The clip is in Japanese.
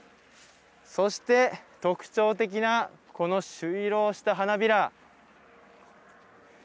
そして、特徴的なこの朱色をした花びら。